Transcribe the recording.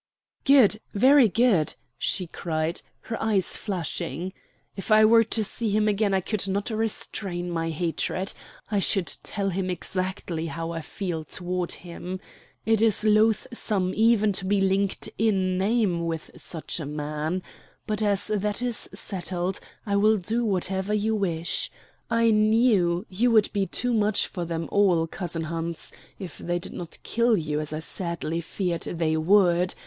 "Good, very good!" she cried, her eyes flashing. "If I were to see him again, I could not restrain my hatred. I should tell him exactly how I feel toward him. It is loathsome even to be linked in name with such a man. But as that is settled, I will do whatever you wish. I knew you would be too much for them all, cousin Hans, if they did not kill you, as I sadly feared they would.